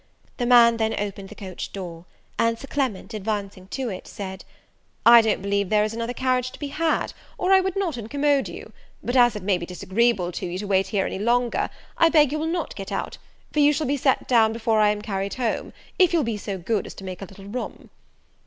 The man then opened the coach door, and Sir Clement, advancing to it, said "I don't believe there is another carriage to be had, or I would not incommode you; but, as it may be disagreeable to you to wait here any longer, I beg you will not get out, for you shall be set down before I am carried home, if you will be so good as to make a little room."